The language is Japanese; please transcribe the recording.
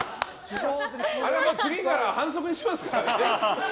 次から反則にしますからね。